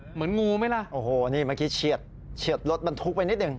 งูไหมล่ะโอ้โหนี่เมื่อกี้เฉียดเฉียดรถบรรทุกไปนิดหนึ่ง